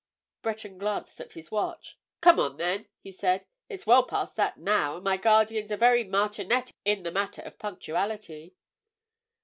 Breton glanced at his watch. "Come on, then," he said. "It's well past that now, and my guardian's a very martinet in the matter of punctuality."